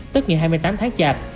tức ngày hai mươi tám tháng chạp